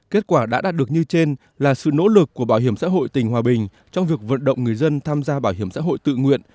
kết quả đã đạt được như trên là sự nỗ lực của bảo hiểm xã hội tỉnh hòa bình trong việc vận động người dân tham gia bảo hiểm xã hội tự nguyện